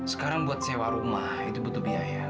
sekarang buat sewa rumah itu butuh biaya